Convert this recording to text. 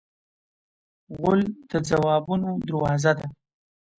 غول د ځوابونو دروازه ده.